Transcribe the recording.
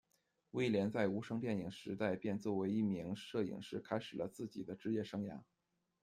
威廉在无声电影时代便作为一名摄影师开始了自己的职业生涯。